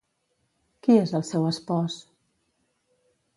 Qui és el seu espòs?